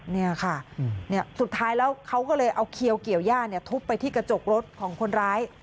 นี่ค่ะสุดท้ายแล้วเขาก็เลยเอาเขียวเกี่ยวย่าทุบไปที่กระจกรถของคนร้าย